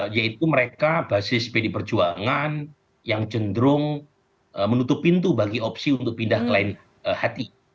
yaitu mereka basis pd perjuangan yang cenderung menutup pintu bagi opsi untuk pindah ke lain hati